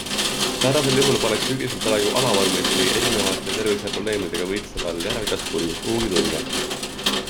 Säärasel juhul poleks sügisel praegu alavormis või erinevate terviseprobleemidega võitleval järelkasvul kuhugi tulla.